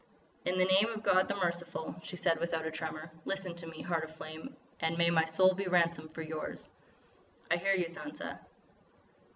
"In the name of God the Merciful," she said without a tremor, "listen to me, Heart of Flame, and may my soul be ransom for yours!" "I hear you, Sansa."